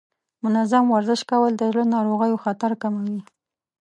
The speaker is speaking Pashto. منظم ورزش کول د زړه ناروغیو خطر کموي.